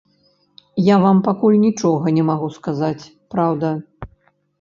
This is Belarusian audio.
Я вам пакуль нічога не магу сказаць, праўда.